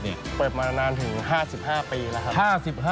นี่เปิดมานานถึง๕๕ปีแล้วครับ